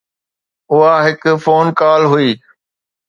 اها هڪ phone call هئي.